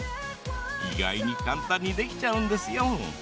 意外に簡単にできちゃうんですよ。